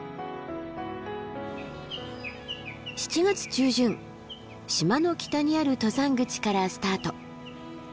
７月中旬島の北にある登山口からスタート。